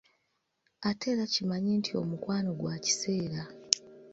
Ate era kimanye nti omukwano gwa kiseera